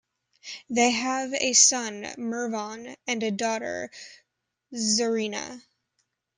They have a son, Mervon, and a daughter, Zarina.